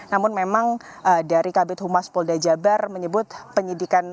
namun memang dari kabit humas polda jabar menyebut penyidikan